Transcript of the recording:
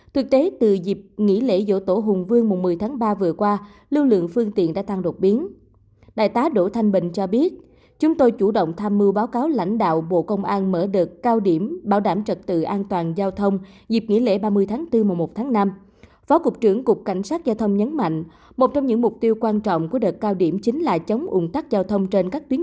thực tế từ dịp nghỉ lễ dỗ tổ hùng vương mùa một mươi tháng ba vừa qua lưu lượng phương tiện đã tăng đột biến